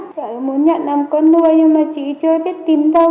chị ấy muốn nhận làm con nuôi nhưng mà chị chưa biết tìm đâu